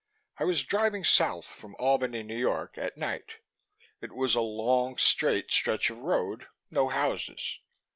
"I was driving south from Albany, New York, at night. It was a long straight stretch of road, no houses.